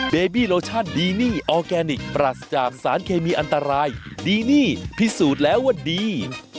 เบบี้โลชั่นดีนี่ออร์แกนิคปรัสจากสารเคมีอันตรายดีนี่พิสูจน์แล้วว่าดี